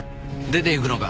出ていくのか？